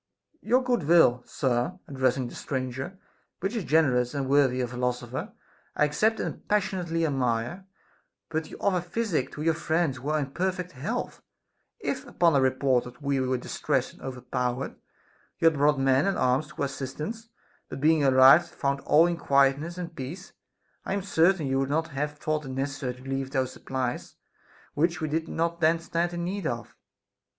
Your good will, sir (addressing the stranger), which is generous and worthy a philosopher, I accept and passionately admire ; but you offer physic to your friends who are in perfect health! If, upon a report that we were distressed and overpowered, you had brought men and arms to our assistance, but being arrived had found all in quietness and peace, I am certain you would not have thought it necessary to leave those supplies which we did not then stand in need of.